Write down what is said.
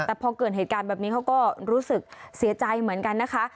แต่พอเกิดเหตุการณ์แบบนี้เขาก็รู้สึกเสียใจเหมือนกันนะคะ